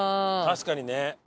確かにね。